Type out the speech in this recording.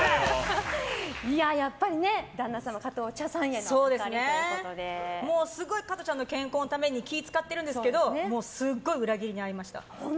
やっぱりね旦那様、加藤茶さんへの加トちゃんの健康のために気を使ってるんですけどすごい裏切りに遭いました。